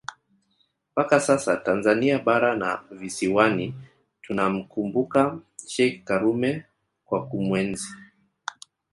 mpaka sasa Tanzania bara na visiwani tunamkumbuka Sheikh Karume kwa kumuenzi